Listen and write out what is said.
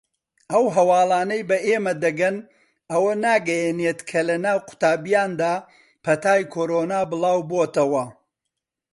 ئەو هەواڵانەی بە ئێمە دەگەن ئەوە ناگەیەنێت کە لەناو قوتابییاندا پەتای کۆرۆنا بڵاوبۆتەوە.